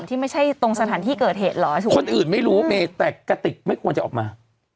ที่ไม่ใช่ตรงสถานที่เกิดเหตุเหรอคนอื่นไม่รู้มีแต่กระติกไม่ควรจะออกมา